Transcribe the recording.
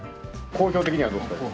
講評的にはどうですか？